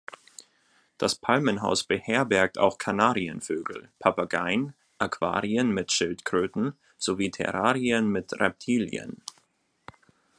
Das Palmenhaus beherbergt auch Kanarienvögel, Papageien, Aquarien mit Schildkröten sowie Terrarien mit Reptilien.